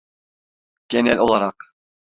Genel olarak.